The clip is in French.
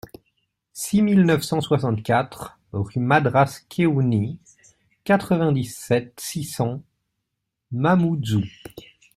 six mille neuf cent soixante-quatre rUE MADRASSE KAWENI, quatre-vingt-dix-sept, six cents, Mamoudzou